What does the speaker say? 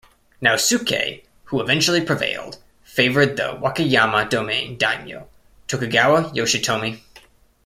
Naosuke, who eventually prevailed, favored the Wakayama Domain daimyo Tokugawa Yoshitomi.